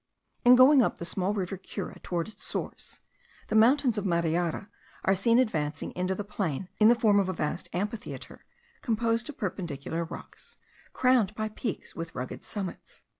In going up the small river Cura towards its source, the mountains of Mariara are seen advancing into the plain in the form of a vast amphitheatre, composed of perpendicular rocks, crowned by peaks with rugged summits.